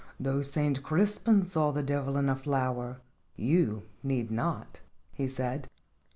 " Though Saint Cyprian saw the Devil in a flower, you need not," he said.